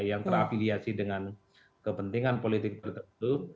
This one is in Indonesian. yang terafiliasi dengan kepentingan politik tertentu